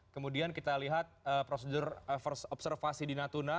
kemudian kita lihat prosedur observasi di natuna